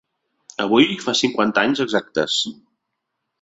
Avui fa cinquanta anys exactes.